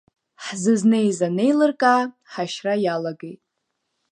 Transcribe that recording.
Ҳзызнеиз анеилыркаа ҳашьра иалагеит.